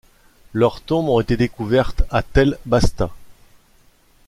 Leurs tombes ont été découvertes à Tell Basta.